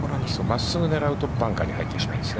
真っすぐ狙うとバンカーに入ってしまいます。